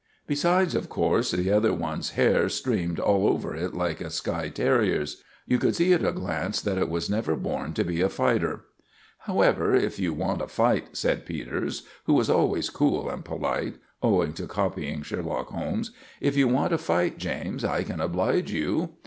Besides, of course, the other one's hair streamed all over it like a skye terrier's. You could see at a glance that it was never born to be a fighter. "However, if you want a fight," said Peters, who was always cool and polite, owing to copying Sherlock Holmes, "if you want a fight, James, I can oblige you."